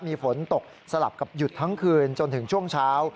มีฝนตกสลับกับหยุดทั้งคืนจนถึงช่วงเช้า